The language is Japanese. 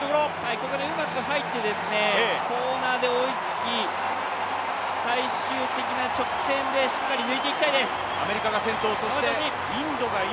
ここでうまく入って、コーナーで追いつき、最終的な直線でしっかり抜いていきたいです。